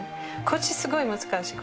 こっちすごい難しい。